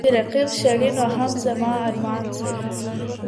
چي رقيب شړې نو هم زما ارمان سي